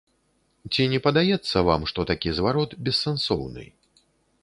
Ці не падаецца вам, што такі зварот бессэнсоўны?